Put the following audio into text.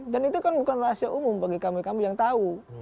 dan itu kan bukan rahasia umum bagi kamu kamu yang tahu